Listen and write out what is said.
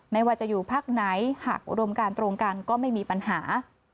ไม่ว่าจะอยู่พักไหนหากอุดมการตรงกันก็ไม่มีปัญหา